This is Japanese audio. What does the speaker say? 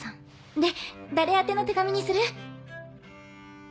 で誰宛ての手紙にする？